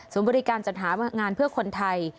บริการจัดหางานเพื่อคนไทย